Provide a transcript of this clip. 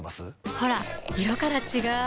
ほら色から違う！